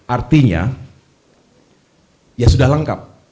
artinya ya sudah lengkap